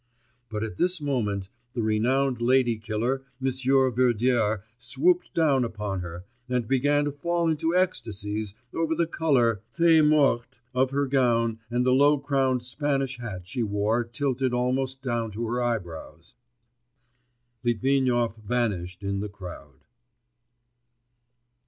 But at this moment the renowned lady killer Monsieur Verdier swooped down upon her, and began to fall into ecstasies over the colour, feuille morte, of her gown and the low crowned Spanish hat she wore tilted almost down to her eyebrows.... Litvinov vanished in the crowd.